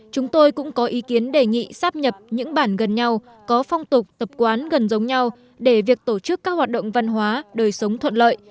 chúng tôi cũng có ý kiến đề nghị sáp nhập những bản gần nhau có phong tục tập quán gần giống nhau để việc tổ chức các hoạt động văn hóa đời sống thuận lợi